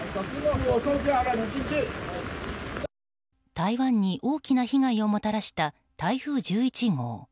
台湾に大きな被害をもたらした台風１１号。